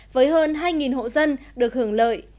với hơn hai hộ dân được hưởng lợi